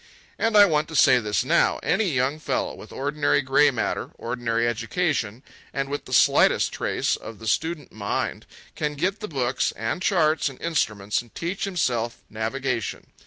And I want to say this now: any young fellow with ordinary gray matter, ordinary education, and with the slightest trace of the student mind, can get the books, and charts, and instruments and teach himself navigation.